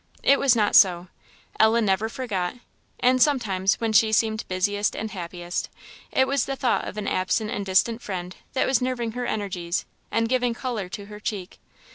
It was not so. Ellen never forgot; and sometimes, when she seemed busiest and happiest, it was the thought of an absent and distant friend that was nerving her energies, and giving colour to her cheek.